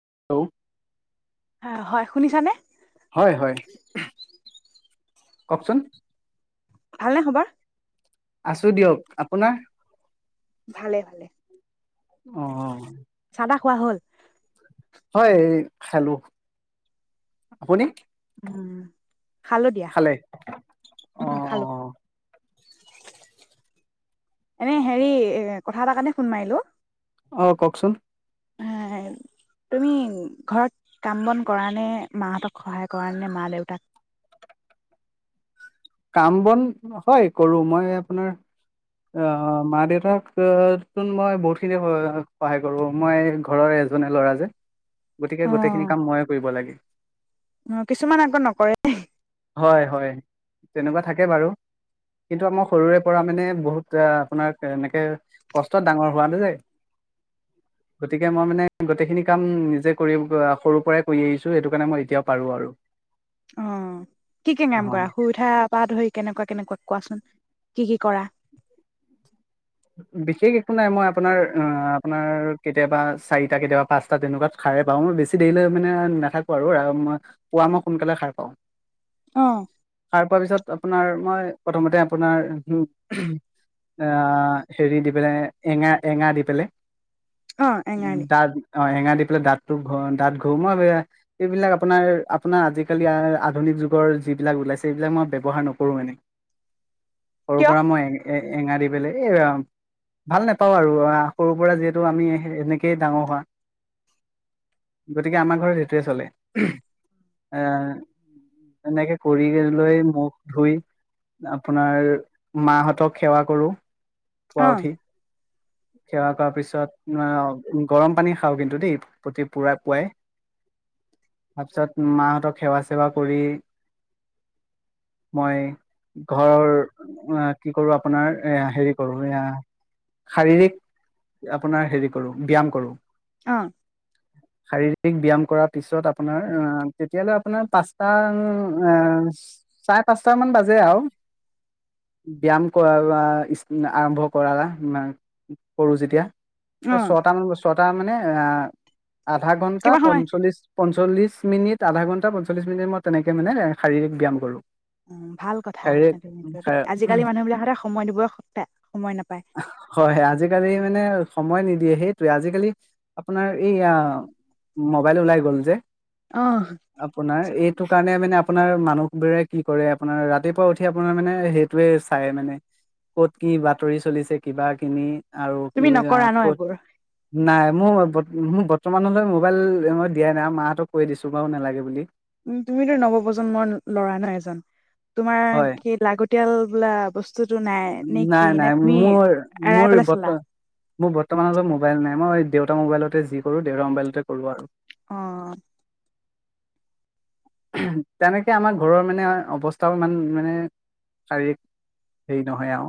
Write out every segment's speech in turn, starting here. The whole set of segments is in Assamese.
[inaudible] অ, হয় শুনিছানে? হয়-হয় ককচোন। ভালনে খবৰ? আছো দিয়ক, আপোনাৰ? ভালে ভালে। অঁ [inaudible] [unintelligible] খোৱা হ'ল? হয় খালো আপুনি? উম। খালো দিয়া, খালে অ উম অ খালো। এনে হেৰি, এ কথা এটা কাৰণে ফুোন মাৰিলো। অ, কওকচোন তুমি ঘৰত কাম বন কৰা নে মাহঁতক সহায় কৰা নে মা দেউতাক? কাম বন হয় কৰো মই আপোনাৰ আহ মা দেউতাক উহ, চোন মই বহুতখিনি সহায় কৰোঁ মই ঘৰৰ এজনে ল'ৰা যে। গতিকে অ', গোটেইখিনি কাম ময়ে কৰিব লাগে। অ', কিছুমান আকৌ নকৰে হয়-হয় তেনেকুৱা থাকে বাৰু কিন্তু আমাৰ সৰুৰে পৰা মানে বহুত, আপোনাৰ এনেকে কষ্টত ডাঙৰ হোৱা গতিকে মই মানে গোটেইখিনি কাম নিজে কৰি, উহ সৰুৰ পৰাই কৰি আহিছো সেইটো কাৰণে মই এতিয়াও পাৰো আৰু। অ, কি কি নাম কৰা অ', শুই উঠা পা ধৰি কেনেকুৱা কেনেকুৱা? কোৱাচোন কি কি কৰা? বিশেষ একো নাই মই আপোনাৰ আপোনাৰ কেতিয়াবা চাৰিটা কেতিয়াবা পাঁচটা তেনেকুৱাত খাৰে পাও বেছি দেৰিলৈ মানে নাথাকো আৰু মই পুৱা মই সোনকালে সাৰ পাওঁ। অ', সাৰ পুৱাৰ পিছত আপোনাৰ মই প্ৰথমতে আপোনাৰ এ হেৰি দি পেলে এঙা - এঙা দি পেলে। অ', উম এঙাৰলি তাৰ অ এঙাৰ দি পেলাই দাঁতটো ঘ দাঁত ঘহো। এইবিলাক আপোনাৰ আপোনাৰ আজিকালি আধুনিক যুগৰ যিবিলাক ওলাইছে এইবিলাক মই ব্যয়ৱহাৰ নকৰো এনেই। সৰুৰ কিয়? পৰা মই এঙাৰ এঙাৰ দি পেলাই। ভাল নাপাওঁ আৰু সৰুৰ পৰা যিহেতু আমি এনেকেই ডাঙৰ হোৱা, গতিকে আমাৰ ঘৰত সেইটোৱে চলে। এ এনেকে কৰি লৈ মুখ ধুই আপোনাৰ মাহঁতক সেৱা কৰো। পুৱা অ', উঠি। সেৱা কৰা পিছত গৰম পানী খাওঁ কিন্তু দেই প্ৰতি পুৱাই পুৱাই। তাৰপিছত মাহঁতক সেৱা- চেৱা কৰি, মই ঘৰৰ কি কৰো আপোনাৰ এ হেৰি। কৰো, এয়া শাৰীৰিক আপোনাৰ হেৰি কৰো ব্যয়াম কৰো। অ। ঠিক ব্যায়াম কৰাৰ পিছত আপোনাৰ তেতিয়ালে আপোনাৰ পাঁচটা চাৰে পাঁচট মান বাজে আৰু, ব্যয়ায়াম কৰা আৰম্ভ কৰা, কৰো যেতিয়া। অ', ছটা মান ছটা মানে। আআ আধা ঘণ্টা, কিবা সময় পঞ্চল্লিশ পঞ্চল্লিছ মিনিট আধা ঘণ্টা পঞ্চল্লিছ মিনিট মই তেনেকৈ মানে শাৰীৰিক ব্যায়ম কৰোঁ। উম ভাল কথা, সেইটো আজিকালি মানুহবিলাকহতে সময় দিব হয়, আজিকালি মানে সময় নিদিয়ে সেইটোৱে আজিকালি আপোনাৰ এইয়া মোবাইল ওলাই গ'ল যে। অ'। আপোনাৰ এইটো কাৰণে মানে। আপোনাৰ মানুহবোৰে কি কৰে, আপোনাৰ ৰাতিপুৱা উঠি আপোনাৰ মানে সেইটোয়ে চাই মানে। ক'ত কি বাতৰি চলিছে কিবা কিবি। আৰু তুমি কি বুলি নকৰা কয়, ন এইবোৰ ক'ত নাই। মোৰ মোক বৰ্তমানলৈ মোবাইল দিয়াই নাই মাহঁক কৈ দিছোঁ বাৰু নেলাগে বুলি। উ তুমিতো নৱপ প্ৰজন্মৰ ল'ৰা ন এজন। তোমাৰ হয় কি লাগতিয়াল বোলা বস্তু। নাই নাই মোৰ এৰাই মোৰ পেলাই চলা মোৰ বৰ্তমানলৈ মোবাইল নাই। মই দেউতা মোবাইলতে যি কৰো দেউতা মোবাইলতে কৰোঁ আৰু। অ। তেনেকে আমাৰ ঘৰৰ মানে অৱস্থাও ইমান মানে, শাৰীৰিক হেৰি নহয় আৰু।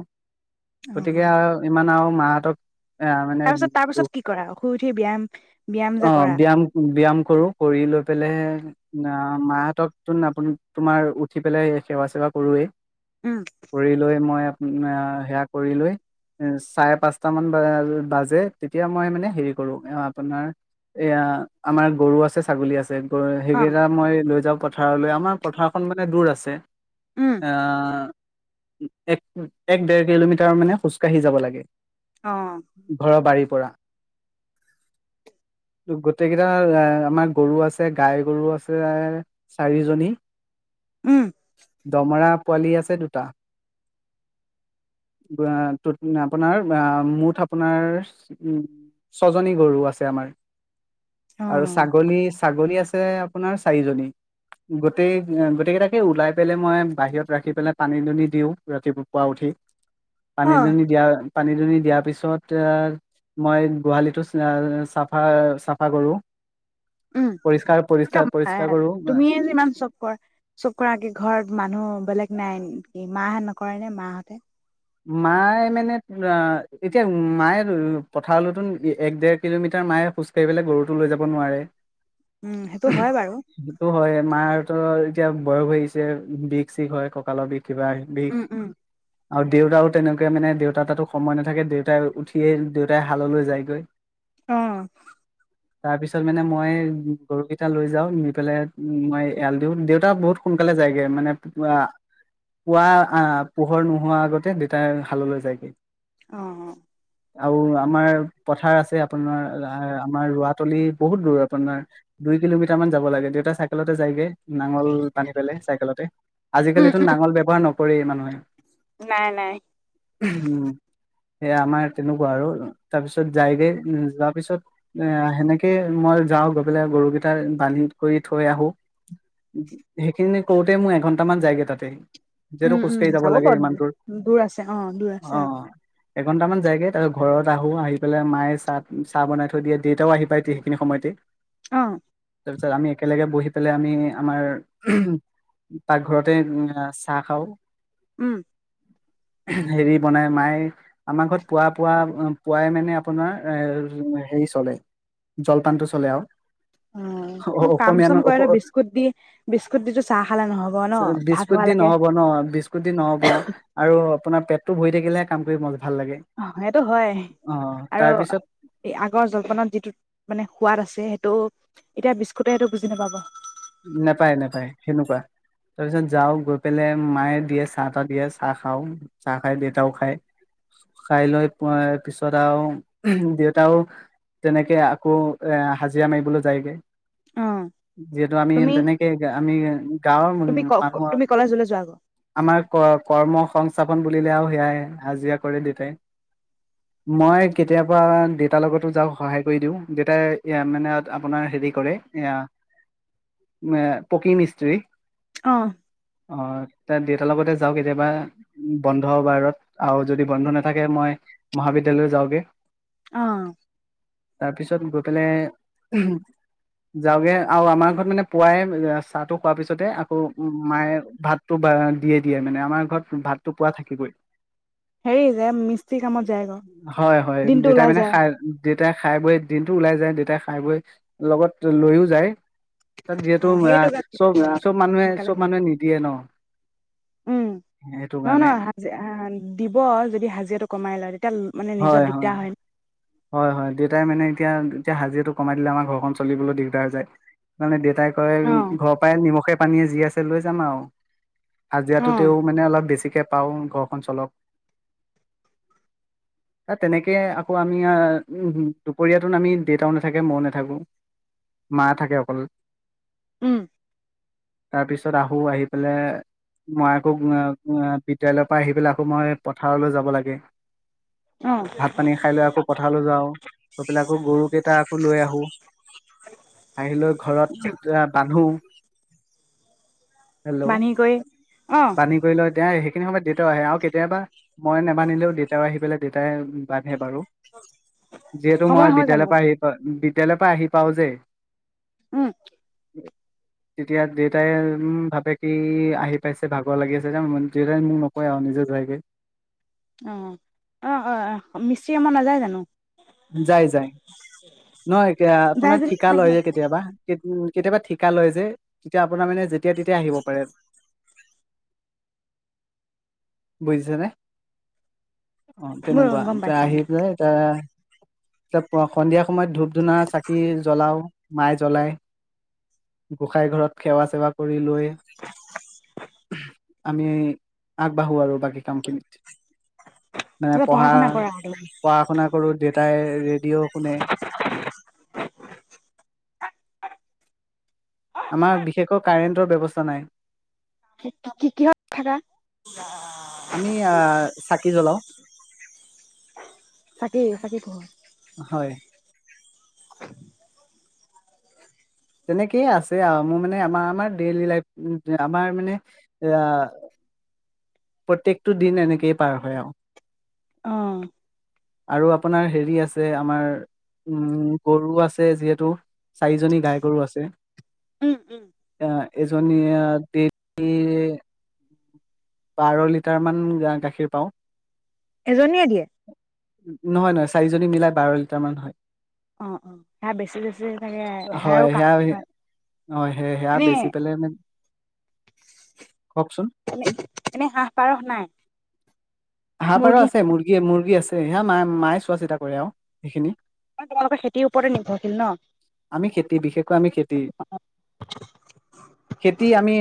গতিকে অ'। আৰু ইমান আৰু। মাহঁতক এ মানে, তাৰপিছত তাৰ পিছত কি কৰা শুই উঠি ব্যায়াম ব্যায়াম যে অ কৰা ব্যায়াম ব্যায়াম কৰো কৰি লৈ পেলাইহে না অ মাহঁতকতো তোমাৰ উঠি পেলাই সেৱা চেৱা কৰোঁয়ে। উম কৰি লৈ মই সেৱা কৰি লৈ চাৰে পাঁচটামান বাজে তেতিয়া মই মানে হেৰি কৰো, আপোনাৰ এয়া আমাৰ গৰু আছে, ছাগলী আছে। অ [unintelligible] এয়া, মই লৈ যাওঁ পথাৰলৈ আউ মাৰ পথাৰখন মানে দূৰ আছে। উম আঁ! উ, এক, এক ডেৰ কিলোমিটাৰ মানে খোজকাঢ়ি যাব লাগে। অ ঘৰৰ বাৰীত পৰা গোটেই কেইটা আ, আমাৰ গৰু আছে, গাই গৰু আছ প্ৰায়, চাৰিজনী। উম দমৰা- পোৱালি আছে দুটা, গোৱা তোত আপোনাৰ আহ, মুঠ আপোনাৰ উ, ছজনী গৰু আছে আমাৰ। অ আৰু ছাগলী, ছাগলী আছ তে আপ পোনাৰ চাৰিজনী, গোটেই গোটেই কেইটাকে ওলাই পেলাই মই বাহিৰত ৰাখি পেলাই পানী দুনি দিওঁ ৰাতিপুৱা পৰা উঠি। অ পানী দুনি দিয়া পানী দুনি দিয়াৰ পিছত এ! মই গোহালিটো আ' চাফা, চাফা কৰোঁ। পৰিষ্কাৰ, পৰিষ্কাৰ আ, কৰো তুমিয়ে যি ইমান চব কৰা, চব কৰা কি ঘৰত মানুহ বেলেগ নাই? এম, কি মা নকৰে নে মাহঁতে? মায়ে মানে, আ' এতিয়া মায়ে পথাৰলৈতো এক, ডেৰ কিলোমিটাৰ মায়ে, খোজ কাঢ়ি পেলাই গৰুটো লৈ যাব নোৱাৰে। উম সেইটো হয় বাৰু সেইটো হয়, মাহঁতৰ এতিয়া বয়স হৈছে, বিষ চিষ হয় কঁকালৰ বিষ কিবা, বিষ উম উম আৰু দেউতাও তেনেকে মানে দেউতা তাতো সময় নাথাকে, দেউতাই উঠিয়েই দেউতাই হাললৈ যায়গৈ। অ'। তাৰ পিছত মানে, মই গৰুকেইটা লৈ যাও নি পেলাই মই এৰাল দিওঁ, দেউতা বহুত সোনকালে যায়গে। মানে, আ' পুৱা পোহৰ নোহোৱা আগত [unintelligible] দেতাই হাললৈ যায়গে। অ'। আউ, আমাৰ পথাৰ আছে। আপোনাৰ আ' আমাৰ ৰোঁৱাতলি বহুত দূৰ, আপোনাৰ দুই কিলোমিটাৰ মান যাব লাগে, দেউতা চাইকেলতে যায়গে। নাঙল বান্ধি পেলাই চাইকেলতে, উম আজিকালিটো উম নাঙল ব্যৱহাৰ নক কৰেই মানুহে। নাই, নাই। হেয়া আমাৰ তেনেকুৱা আৰু, তাৰ পিছত যায়গে, যোৱাৰ পিছত এ হেনেকে মই যাওঁ গৈ পেলাই গৰুকেইটা বান্ধি কৰি থৈ আহো, হেইখিনি কৰোতে মোৰ এঘন্টামান যায়গে তাতে। যিহেতু উম, খোজ উম, কাঢ়ি যাব লাগে বাৰু ইমান দূৰ। দূৰ আছে, অ দূৰ আছে। এঘণ্টামান যায়গে তাৰপিছ ঘৰত আহো আহি পেলাই মায়ে চাহ চাহ বনাই থৈ দিয়ে দেতাও আহি পায় এতিয়া সেইখিনি সময়তে অ তাৰ পিছত আমি একেলগে বহি পেলাই আমি আমাৰ পাকঘৰতে চাহ খাওঁ উম হেৰি বনাই মায়ে আমাৰ ঘৰত পুৱা পোৱা পুৱাই মানে আপোনাৰ এ হেৰি চলে জলপানটো চলে আৰু অ মই কাম অসমীয়া ন চম কৰে অস আৰু বিস্কুট দি বিস্কুট দি টো চাহ খালে নহব ন ভাত বিস্কুট দি হোৱালৈকে নহ'ব ন বিস্কুট দি নহ'ব আৰু আপোনাৰ পেটটো ভৰি থাকিলে কাম কৰি মন সেইটো হয় আৰু তাৰপিছত আগৰ জলপানত যিটো মানে সোৱাদ আছে সেইটো এতিয়া বিস্কুট সেইটো বুজি নাপাব নাপায় নাপায় সেনেকুৱা তাৰ পিছত যাওঁ গৈ পেলাই মায়ে দিয়ে চাহ তাহ দিয়ে চাহ খাওঁ চাহ খাই দেউতাও খায় খাই লৈ পিছত আৰু দেউতাও তেনেকে আকৌ এ হাজিৰা মাৰিবলৈ যায়গৈ অ', যিহেতু আমি তুমি তেনেকে আমি গাঁৱৰ তুমি ক মানুহৰ তুমি কলেজলৈ যোৱা আকৌ আমাৰ ক কৰ্ম সংস্থাপন বুলিলে আৰু আৰু সেয়াই হাজিৰা কৰে দেউতাই মই কেতিয়াবা দেউতাৰ লগতো যাওক সহায় কৰি দিওঁ দেউতাই মানে আপোনাৰ হেৰি কৰে এ ম পকি মিস্ত্ৰী অ অ দেউতাৰ লগতে যাও কেতিয়াবা বন্ধ বাহিৰত আৰু যদি বন্ধ নাথাকে মই মহাবিদ্যয়ালয় যাওঁগে অ তাৰপিছত গৈ পেলাই যাওঁগে আৰু আমাক মানে পুৱাই চাহটো খোৱাৰ পিছতে আকৌ মায়ে ভাতটো দিয়ে দিয়ে মানে আমাৰ ঘৰত ভাতটো পোৱা থাকিবয়ে হেৰি যে মিস্ত্ৰী কামত যায় আকৌ হয় হয় দিনটো দেতাই ওলাই মানে যায় খাই দেতাই খাই বৈ দিনতটো ওলাই যায় দেতাই খাই বৈ লগত লৈও যায় তাত অ যিহেতু সেইটো আহ চব চব মানুহে সোনকালে চব মানুহে নিদিয়ে ন উম সেইটো নহ কাৰণে নহয় দিব যদি হাজিৰাটো কমাই লয় তেতিয়া মানে নিজৰ দিগদা হয় হয় হয় দেউতাই মানে এতিয়া এতিয়া হাজিৰাটো কমাই দিলে আমাৰ ঘৰখন চলিবলৈ দিগদাৰ যে মানে দে তাই কয় অ', ঘৰ পৰাই নিমখে পানীয়ে যি আছে এ লৈ যাম আৰু হাজিৰাটোতেও অ', মানে অলপ বেছিকে পাও ক অঞ্চলক এই তেনেক আকৌ আমি আম উ দুপৰীয়াটোত আমি দেউতাও নাথাকে মই নাথাকো মা থাকে অকল উম তাৰ পিছত আহো আহি পেলাই মই আকৌ বিদ্যালয়ৰ পৰা আহি পেলাই আকৌ মই পথাৰলৈ যাব লাগে অ', ভাত পানী খাই লৈ আকৌ পথাৰলৈ যাওঁ গৈ পেলাই আকৌ‌ গৰুকেইটা আকৌ লৈ আহো আহি লৈ ঘৰত বান্ধো হেল্ল' বান্ধি কৈ বান্ধি কৰি লয় তে সেইখিনি সময়ত দেতাও আহে আৰু কেতিয়াবা মই নেবান্ধিলেও দেতাও আহি পেলাই দেতাই বা বাৰু যিহেতু সময় মই হয় জানো? বিদ্যালয়ৰ পৰা আহি য়ালৈ পা আহি পাও যে উম। তেতিয়া দেউতাই উম, ভাবে কি আহি পাইছে ভাগৰ লাগি আছে যে, [unintelligible] নকয় আৰু নিজে যায়গে। অ', অ', অ', অ', মিস্ত্ৰী আমাৰ নাযায় জানো? যায়, যায়। নহয় এ যাই আপোনাৰ যদি ঠিকা লয় কেনেকে যে, কেতিয়াবা কে কেতিয়াবা ঠিকা লয় যে, তেতিয়া আপোনাৰ মানে যেতিয়া তেতিয়া আহিব পাৰে। বুজিছেনে? অ', মোৰ তেনেকুৱা গম তাই পাইছো আহি মই। পেলেই তা ত প সন্ধিয়া সময়ত ধূপ ধূনা, চাকি জ্বলাও। মায়ে জ্বলাই। গোঁসাই ঘৰত সেৱা চেৱা কৰি লৈ, আমি আগবাঢ়ো আৰু বাকী কামখিনিত। মানে কিবা পঢ়া, শুনা কৰা পঢ়া শুনা কৰো [unintelligible] ভিডিঅ' শুনে। আমাৰ বিশেষকৈ কাৰেণ্টৰ ব্যৱস্থা নাই। কি কি কিহত থাকা? আমি আহ চাকি জ্বলাও চাকি চাকি পোহৰ। হয় তেনেকেইে আছে আৰু মোৰ মানে আমাৰ আমাৰ ডেইলি লাইফ আমাৰ মানে আ প্ৰত্যেকটো দিন এনেকেই পাৰ হয়, আৰু। অহ। আৰু আপোনাৰ হেৰি আছে আমাৰ উম, গৰু আছে যিহেতু চাৰিজনী গাই গৰু আছে। উম, উম, [unintelligible] এজনীয়ে ডেইলি, বাৰ লিটাৰ মান গাখীৰ পাওঁ। এজনীয়ে দিয়ে? নহয়, নহয় চাৰিজনী মিলাই বাৰ লিটাৰ মান হয়। অ', অ', সেয়া বেছি বেছি চাগে, সেয়াও হয় কাম সেয়া হয়, হয় সে সেয়া এনে বেচি পেলাই মানে কওকচোন এনে, এনে হাঁহ পাৰহ নাই? হাঁহ, পাৰ আছে মুৰ্গী, মুৰ্গী আছে। হেয়া মায়ে, মায়ে চোৱা চিতা কৰে আৰু সেইখিনি। তোমালোকৰ খেতিৰ ওপৰতে নিৰ্ভৰশীল ন? আমি খেতি বিশেষকৈ আমি খেতি, খেতি আমি